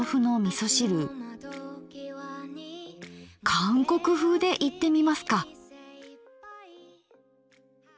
韓国風でいってみますか。